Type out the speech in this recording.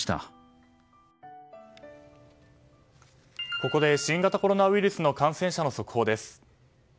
ここで新型コロナウイルスの感染者の速報です。